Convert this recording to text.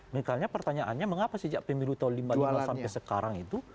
makanya pertanyaannya mengapa sejak pemilu tahun lima puluh lima sampai sekarang itu